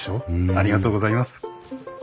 ありがとうございます。